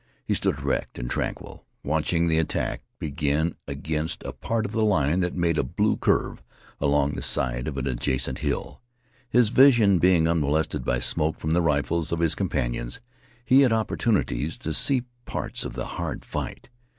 He stood, erect and tranquil, watching the attack begin against a part of the line that made a blue curve along the side of an adjacent hill. His vision being unmolested by smoke from the rifles of his companions, he had opportunities to see parts of the hard fight.